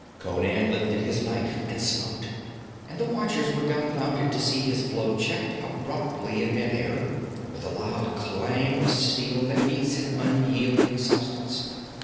Conan lifted his knife and smote, and the watchers were dumbfounded to see his blow checked apparently in midair, with the loud clang of steel that meets an unyielding substance.